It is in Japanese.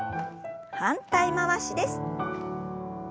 反対回しです。